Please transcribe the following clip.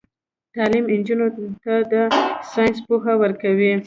تعلیم نجونو ته د ساينس پوهه ورکوي.